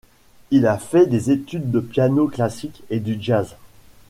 Il a fait des études de piano classique et du jazz.